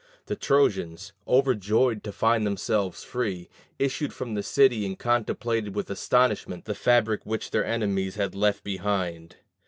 The Trojans, overjoyed to find themselves free, issued from the city and contemplated with astonishment the fabric which their enemies had left behind.